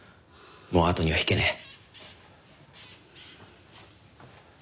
もう後には引けねえ。